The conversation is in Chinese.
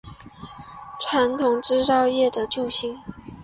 传统制造业的救星